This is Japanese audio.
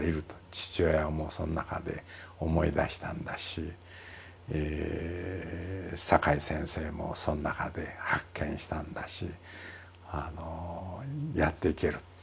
父親もその中で思い出したんだし阪井先生もその中で発見したんだしやっていける。